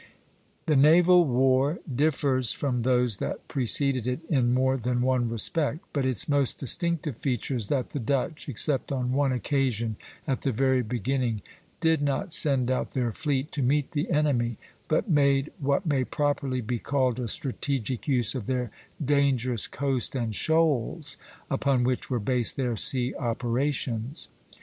The naval war differs from those that preceded it in more than one respect; but its most distinctive feature is that the Dutch, except on one occasion at the very beginning, did not send out their fleet to meet the enemy, but made what may properly be called a strategic use of their dangerous coast and shoals, upon which were based their sea operations.